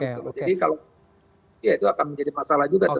jadi kalau ya itu akan menjadi masalah juga tentunya